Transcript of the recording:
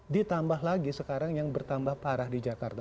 ditambah lagi sekarang yang bertambah parah di jakarta